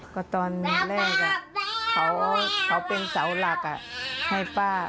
ก็ตอนแรกเขาเป็นเสาหลักให้ป้า